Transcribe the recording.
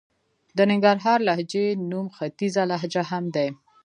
د ننګرهارۍ لهجې نوم ختيځه لهجه هم دئ.